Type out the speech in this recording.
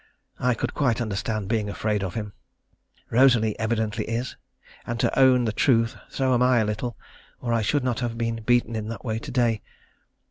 I could quite understand being afraid of him. Rosalie evidently is, and to own the truth so am I a little, or I should not have been beaten in that way to day.